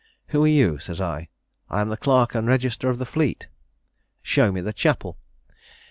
'Who are you?' says I. 'I am the clerk and register of the Fleet.' 'Show me the chapel.'